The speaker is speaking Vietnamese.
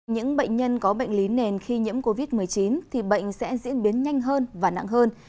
những bệnh nhân có bệnh lý nền khi nhiễm covid một mươi chín thì bệnh sẽ diễn biến nhanh hơn và nặng hơn